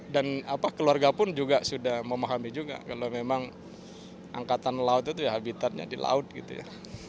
dan keluarga pun sudah memahami juga kalau memang angkatan laut itu ya habitatnya di laut gitu ya